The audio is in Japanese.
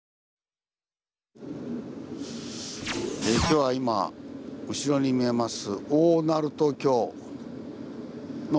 今日は今後ろに見えます